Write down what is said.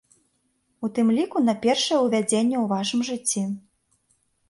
У тым ліку на першае ўвядзенне ў вашым жыцці.